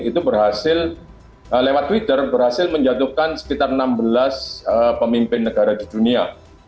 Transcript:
itu berhasil lewat twitter berhasil menjatuhkan sekitar enam belas pemimpin negara di dunia